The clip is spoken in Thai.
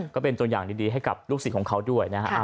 ก็เป็นตัวอย่างดีให้กับลูกศิษย์ของเขาด้วยนะฮะ